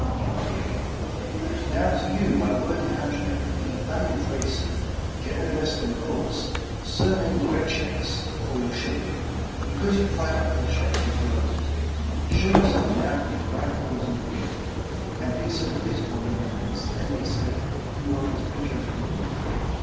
And now to you, my worthy countrymen, Ye valiant race of Genovestan Gauls, Surnamed Red shanks, for your chivalry, 30 Because you fight up to the shanks in blood ; Shew yourselves now to be right Gauls indeed, And be so bitter on your enemies, That they may say, you are as bitter as gall.